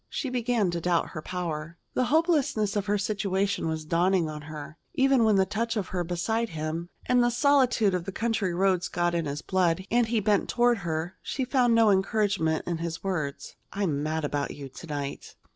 She began to doubt her power. The hopelessness of her situation was dawning on her. Even when the touch of her beside him and the solitude of the country roads got in his blood, and he bent toward her, she found no encouragement in his words: "I am mad about you to night."